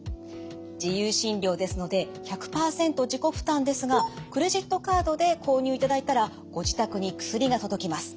「自由診療ですので１００％自己負担ですがクレジットカードで購入いただいたらご自宅に薬が届きます。